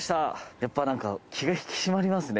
やっぱなんか気が引き締まりますね